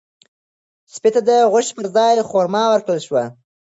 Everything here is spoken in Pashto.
سپي ته د غوښې پر ځای خورما ورکړل شوه.